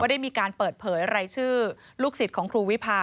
ได้มีการเปิดเผยรายชื่อลูกศิษย์ของครูวิพา